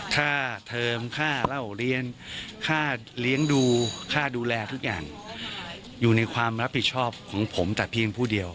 ค่าเทอมค่าเล่าเรียนค่าเลี้ยงดูค่าดูแลทุกอย่างอยู่ในความรับผิดชอบของผมแต่เพียงผู้เดียว